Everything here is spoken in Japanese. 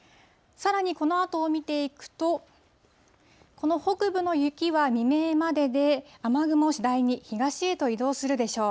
さらにこのあとを見ていくと、この北部の雪は未明までで、雨雲、次第に東へと移動するでしょう。